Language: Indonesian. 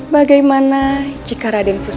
bagaimana jika raden fusena